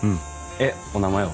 えっお名前は？